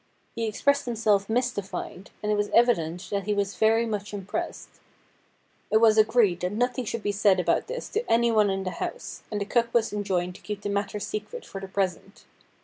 He expressed himself mystified, and it was evident that he was very much impressed. It was agreed that nothing should be said about this to anyone in the house, and the cook was enjoined to keep the matter secret for the pre sent.